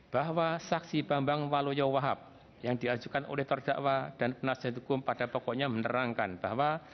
bahwa saksi bambang waloyo wahab yang diajukan oleh terdakwa dan penasihat hukum pada pokoknya menerangkan bahwa